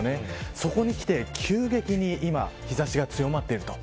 そこにきて急激に今日差しが強まっていると。